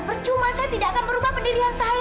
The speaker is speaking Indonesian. percuma saya tidak akan merubah pendidikan saya